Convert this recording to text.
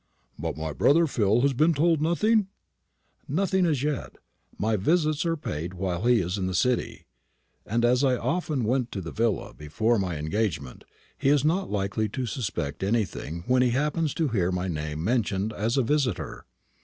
"But my brother Phil has been told nothing?" "As yet nothing. My visits are paid while he is in the City; and as I often went to the villa before my engagement, he is not likely to suspect anything when he happens to hear my name mentioned as a visitor."